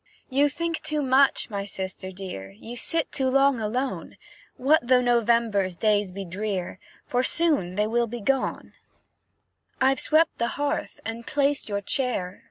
"You think too much, my sister dear; You sit too long alone; What though November days be drear? Full soon will they be gone. I've swept the hearth, and placed your chair.